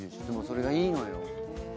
でもそれがいいのよ。